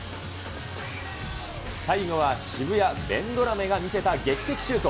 最後は渋谷ベンドラメが見せた劇的シュート。